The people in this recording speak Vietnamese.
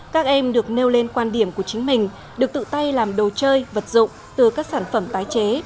các em được nêu lên quan điểm của chính mình được tự tay làm đồ chơi vật dụng từ các sản phẩm tái chế